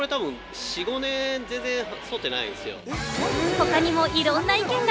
他にもいろんな意見が。